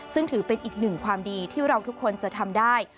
ซึ่งถือเป็นอีกหนึ่งความดีที่เราทุกคนจะทำได้